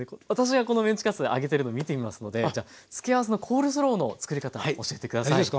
私がこのメンチカツ揚げてるの見ていますので付け合わせのコールスローの作り方教えて下さい。